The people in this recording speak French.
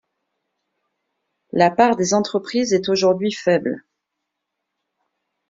La part des entreprises est aujourd'hui faible.